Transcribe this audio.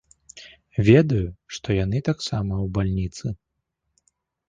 Ведаю, што яны таксама ў бальніцы.